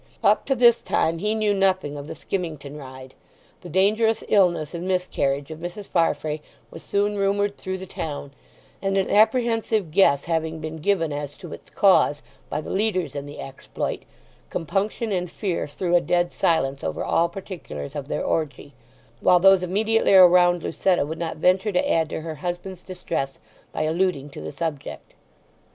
Up to this time he knew nothing of the skimmington ride. The dangerous illness and miscarriage of Mrs. Farfrae was soon rumoured through the town, and an apprehensive guess having been given as to its cause by the leaders in the exploit, compunction and fear threw a dead silence over all particulars of their orgie; while those immediately around Lucetta would not venture to add to her husband's distress by alluding to the subject.